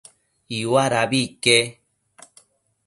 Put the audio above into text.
Iuadabi ique